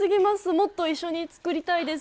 もっと一緒に作りたいです。